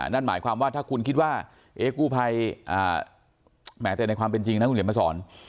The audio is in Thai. นั่นหมายความว่าถ้าคุณคิดว่ากู้ภัยแหมแต่ในความเป็นจริงนะคุณเขียนมาสอน